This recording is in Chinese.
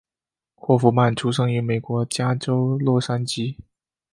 霍夫曼出生于美国加州洛杉矶。